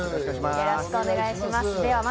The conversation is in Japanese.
よろしくお願いします。